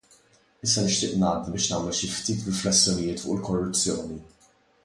Issa nixtieq ngħaddi biex nagħmel xi ftit riflessjonijiet fuq il-korruzzjoni.